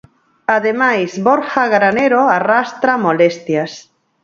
Ademais, Borja Granero arrastra molestias.